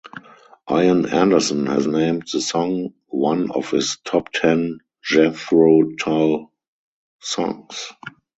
Ian Anderson has named the song one of his top ten Jethro Tull songs.